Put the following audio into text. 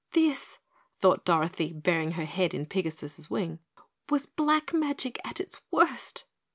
This, thought Dorothy, burying her head in Pigasus' wing, was black magic at its worst.